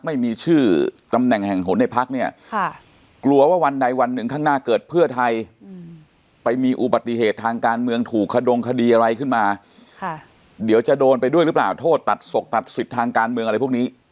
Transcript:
ไม่มีชื่อตำแหน่งแห่งหนทนในพักเนี่ย